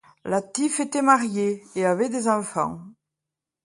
Latif était marié et avait des enfants.